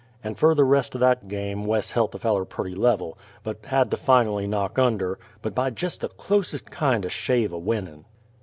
And fer the rest o' that game Wes helt the feller purty level, but had to finally knock under but by jest the clos'test kind o' shave o' winnin'.